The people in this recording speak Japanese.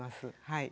はい。